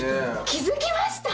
気付きました